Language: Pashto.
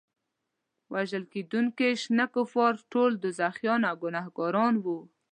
وژل کېدونکي شنه کفار ټول دوزخیان او ګناهګاران وو.